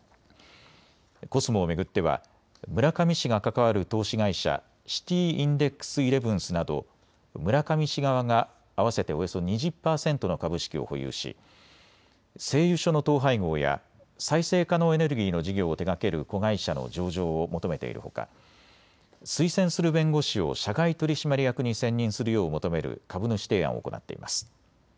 コスモを巡っては村上氏が関わる投資会社、シティインデックスイレブンスなど村上氏側が合わせておよそ２０％の株式を保有し製油所の統廃合や再生可能エネルギーの事業を手がける子会社の上場を求めているほか推薦する弁護士を社外取締役に選任するよう求める株主提案を行っています。